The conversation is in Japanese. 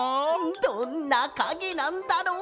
どんなかげなんだろう？